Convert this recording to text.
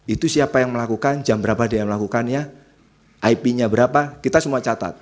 itu siapa yang melakukan jam berapa dia melakukannya ip nya berapa kita semua catat